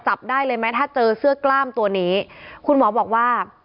จับได้เลยไหมถ้าเจอเสื้อกล้ามตัวนี้คุณหมอบอกว่า